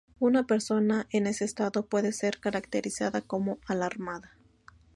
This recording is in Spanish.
Una persona en ese estado puede ser caracterizada como "alarmada".